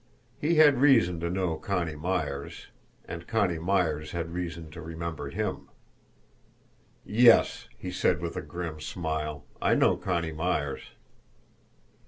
He had reason to know Connie Myers and Connie Myers had reason to remember him! "Yes," he said, with a grim smile; "I know Connie Myers."